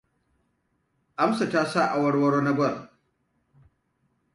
Amsa ta sa aworworo na gwal.